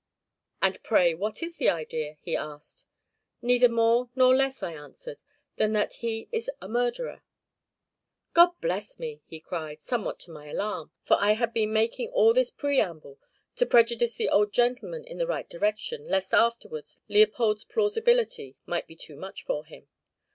'And pray what is the idea?' he asked. 'Neither more nor less,' I answered, 'than that he is a murderer!' 'God bless me!' he cried, somewhat to my alarm, for I had been making all this preamble to prejudice the old gentleman in the right direction, lest afterwards Leopold's plausibility might be too much for him.